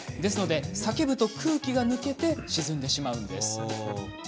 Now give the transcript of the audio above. ですので、叫ぶと空気が抜けて沈んでしまうんです。